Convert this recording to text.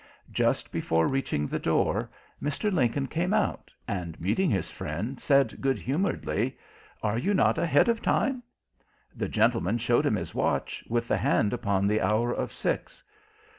Just before reaching the door, Mr. Lincoln came out, and meeting his friend said good humouredly, "Are you not ahead of time?" The gentleman showed him his watch, with the hand upon the hour of six.